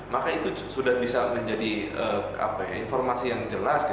maka itu sudah bisa menjadi informasi yang jelas